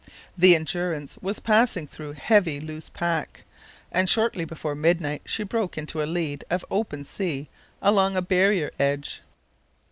The Endurance was passing through heavy loose pack, and shortly before midnight she broke into a lead of open sea along a barrier edge.